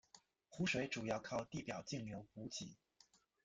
湖水主要靠地表径流补给。